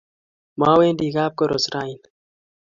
Mowendi kapkoros raini.